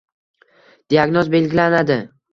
Diagnoz belgilanadi.